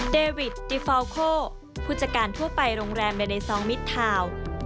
เดวิดติฟาวโคผู้จัดการทั่วไปโรงแรมเมเนซองมิดทาวน์